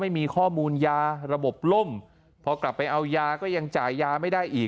ไม่มีข้อมูลยาระบบล่มพอกลับไปเอายาก็ยังจ่ายยาไม่ได้อีก